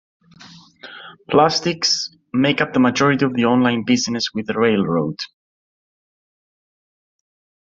Plastics make up the majority of the online business with the railroad.